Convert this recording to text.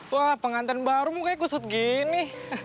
wah pengantan baru mukanya kusut gini